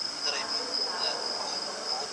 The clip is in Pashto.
که څوک يوازې وي خطر زياتيږي.